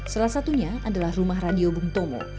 salah satunya adalah rumah radio bung tomo